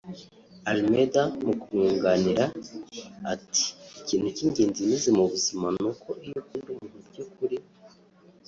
Almeda mu kumwunganira ati “ Ikintu cy’ingenzi nize mu buzima nuko iyo ukunda umuntu by’ukuri